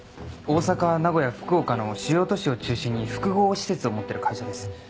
大阪名古屋福岡の主要都市を中心に複合施設を持ってる会社です。